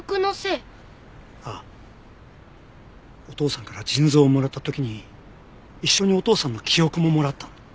お父さんから腎臓をもらった時に一緒にお父さんの記憶ももらった。